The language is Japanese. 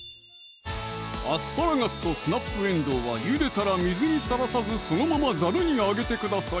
アスパラガスとスナップえんどうはゆでたら水にさらさずそのままザルにあげてください